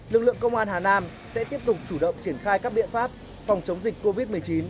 lực lượng công an hà nam sẽ tiếp tục chủ động triển khai các biện pháp phòng chống dịch covid một mươi chín